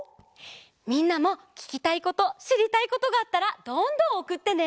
みんなもききたいことしりたいことがあったらどんどんおくってね！